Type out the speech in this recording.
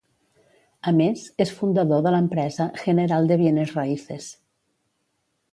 A més, és fundador de l'empresa General de Bienes Raíces.